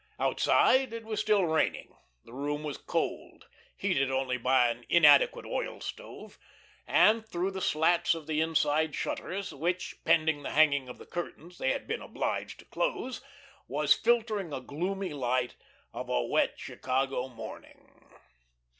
Outside it was still raining, the room was cold, heated only by an inadequate oil stove, and through the slats of the inside shutters, which, pending the hanging of the curtains they had been obliged to close, was filtering a gloomy light of a wet Chicago morning.